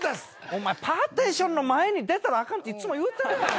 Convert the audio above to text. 「お前パーテーションの前に出たらあかんっていつも言うてるやろ」